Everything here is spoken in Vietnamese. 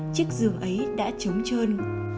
chiếc giường ấy đã trống trơn